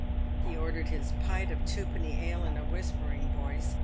He ordered his pint of twopenny ale in a whispering voice.